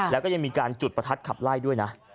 แล้วก็ยังมีการจุดประทัดขับไล่ด้วยนะ